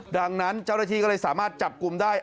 ดังนั้นเจ้าหน้าที่ก็เลยสามารถจับกลุ่มได้